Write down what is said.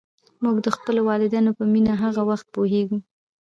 موږ د خپلو والدینو په مینه هغه وخت پوهېږو.